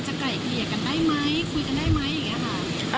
ไก่เกลี่ยกันได้ไหมคุยกันได้ไหมอย่างนี้ค่ะ